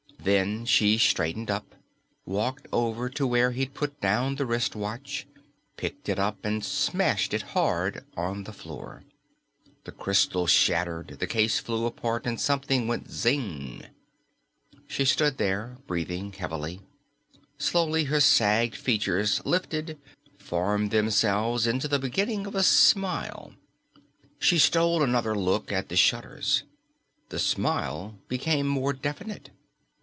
Then she straightened up, walked over to where he'd put down the wristwatch, picked it up and smashed it hard on the floor. The crystal shattered, the case flew apart, and something went zing! She stood there breathing heavily. Slowly her sagged features lifted, formed themselves into the beginning of a smile. She stole another look at the shutters. The smile became more definite.